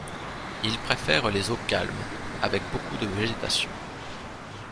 Il préfère les eaux calmes, avec beaucoup de végétation.